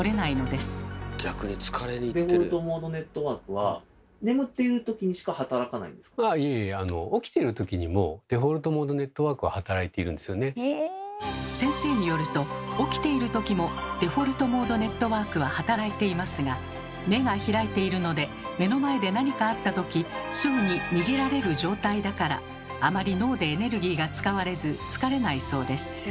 デフォルトモードネットワークはああいえいえ先生によると起きている時もデフォルトモードネットワークは働いていますが目が開いているので目の前で何かあった時すぐに逃げられる状態だからあまり脳でエネルギーが使われず疲れないそうです。